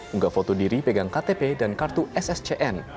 unggah foto diri pegang ktp dan kartu sscn